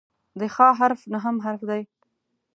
د "خ" حرف نهم حرف دی.